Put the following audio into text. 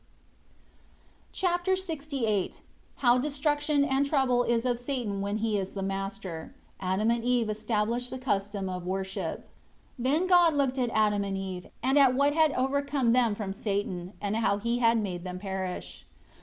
Chapter LXVIII How destruction and trouble is of Satan when he is the master. Adam and Eve establish the custom of worship. 1 Then God looked at Adam and Eve, and at what had come over them from Satan, and how he had made them perish.